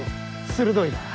鋭いなぁ。